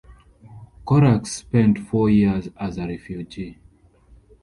Corax spent four years as a refugee.